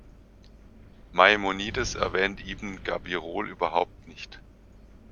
Maimonides erwähnt ibn Gabirol überhaupt nicht.